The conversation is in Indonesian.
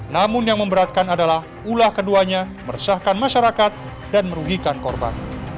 namun yang memberatkan adalah ulah keduanya meresahkan masyarakat dan merugikan korban